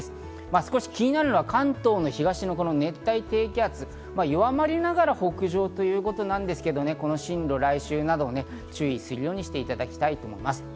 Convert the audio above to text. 少し気になるのは関東の東の熱帯低気圧、弱まりながら北上ということですが、進路、来週、注意するようにしていただきたいと思います。